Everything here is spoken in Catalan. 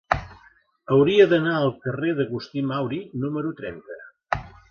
Hauria d'anar al carrer d'Agustí Mauri número trenta.